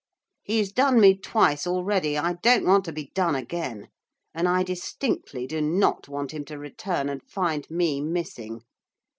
He's done me twice already, I don't want to be done again, and I distinctly do not want him to return and find me missing.